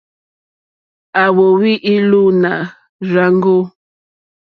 À wóhwì ìlùùnǎ rzáŋɡó.